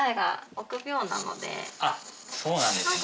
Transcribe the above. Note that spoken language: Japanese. あっそうなんですね。